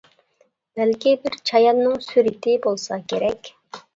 بەلكى، بىر چاياننىڭ سۈرىتى بولسا كېرەك.